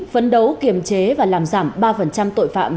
phấn đấu kiềm chế và làm giảm ba tội phạm